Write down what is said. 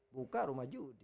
buka rumah judi